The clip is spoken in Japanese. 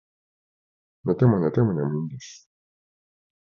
寝ても寝ても眠いんです